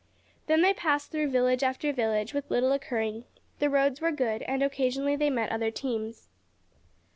Then they passed through village after village, with little occurring. The roads were good, and occasionally they met other teams.